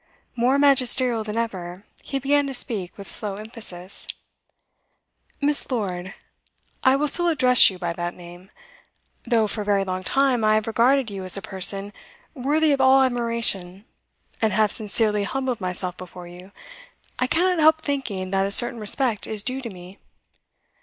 More magisterial than ever, he began to speak with slow emphasis. 'Miss. Lord, I will still address you by that name, though for a very long time I have regarded you as a person worthy of all admiration, and have sincerely humbled myself before you, I cannot help thinking that a certain respect is due to me.